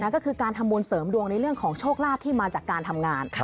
ก็คือการทำบุญเสริมดวงในเรื่องของโชคลาภที่มาจากการทำงาน